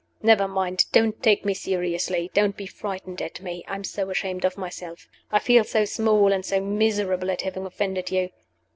Never mind. Don't take me seriously. Don't be frightened at me. I am so ashamed of myself I feel so small and so miserable at having offended you.